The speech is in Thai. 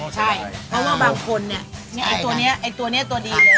ใช่เพราะว่าบางคนอันนี้ตัวดีเลย